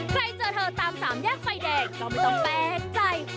เจอเธอตามสามแยกไฟแดงก็ไม่ต้องแปลกใจ